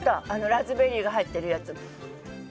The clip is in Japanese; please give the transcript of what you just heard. ラズベリーが入ってるやつ。